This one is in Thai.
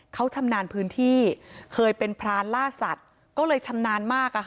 เขาชำนาญพื้นที่เคยเป็นพรานล่าสัตว์ก็เลยชำนาญมาก